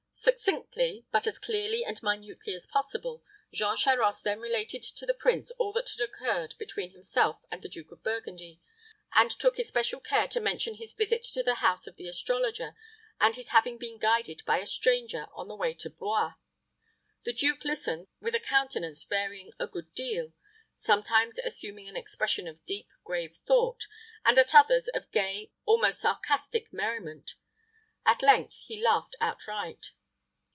Succinctly, but as clearly and minutely as possible, Jean Charost then related to the prince all that had occurred between himself and the Duke of Burgundy, and took especial care to mention his visit to the house of the astrologer, and his having been guided by a stranger on the way to Blois. The duke listened with a countenance varying a good deal, sometimes assuming an expression of deep grave thought, and at others of gay, almost sarcastic merriment. At length he laughed outright.